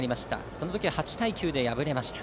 その時は８対９で敗れました。